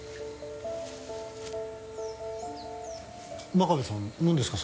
真壁さんなんですか？